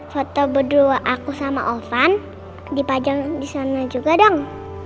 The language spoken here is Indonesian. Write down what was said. foto berdua aku sama ovan dipajang di sana juga dong